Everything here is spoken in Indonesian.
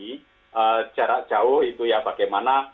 jadi jarak jauh itu ya bagaimana